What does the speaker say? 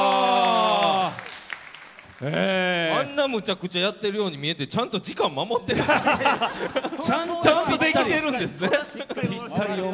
あんなむちゃくちゃやってるように見えてちゃんと時間守ってるんですね。